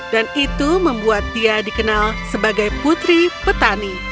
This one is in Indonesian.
dan itu membuat dia dikenal sebagai putri petani